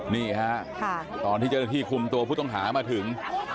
นี่ฮะตอนที่เจ้าหน้าที่คุมตัวผู้ต้องหามาถึง